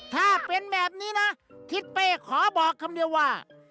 ถ้าเป็นแบบนี้นะทิศเป้ขอบอกคำเดียวว่า